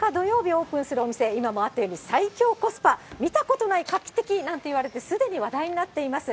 オープンするお店、今もあったように、最強コスパ、見たことない、画期的なんていわれて、すでに話題になっています。